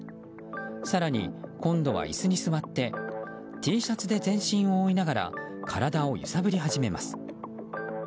更に今度は椅子に座ってＴシャツで全身を覆いながら体を揺さぶり始めます。